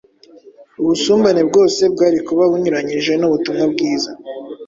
Ubusumbane bwose bwari kuba bunyuranyije n’ubutumwa bwiza